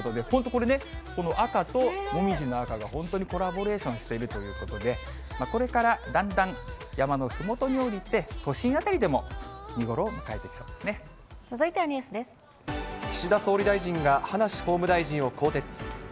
これね、この赤ともみじの赤が本当にコラボレーションしているということで、これからだんだん山のふもとに下りて、都心辺りでも見頃を迎えてかけるだけでテイスティなサラダに。